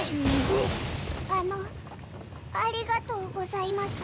あのありがとうございます。